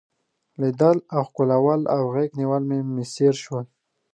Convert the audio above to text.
لیدل او ښکلول او غیږ نیول مې میسر شول.